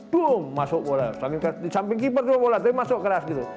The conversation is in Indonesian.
boom masuk bola di samping kipas itu bola tapi masuk keras gitu